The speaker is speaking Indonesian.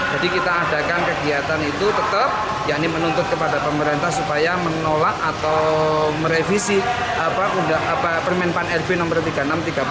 jadi kita adakan kegiatan itu tetap yaitu menuntut kepada pemerintah supaya menolak atau merevisi permen pan rb no tiga puluh enam dan tiga puluh tujuh